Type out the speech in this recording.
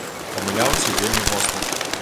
Памыляўся і вельмі моцна!